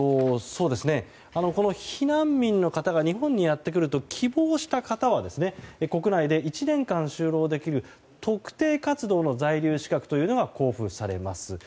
避難民の方が日本にやってくると希望した方は国内で１年間就労できる特定活動の在留資格というのが交付されます。